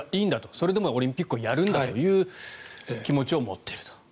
それでもオリンピックをやるんだという気持ちを持っていると。